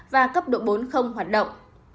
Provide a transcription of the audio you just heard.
và cấp độ bốn không hoạt động